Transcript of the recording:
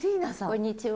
こんにちは。